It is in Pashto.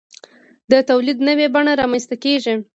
د تولید نوې بڼه رامنځته کیږي.